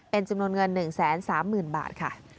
เป็นจำนวนเงิน๑๓๐๐๐บาทค่ะ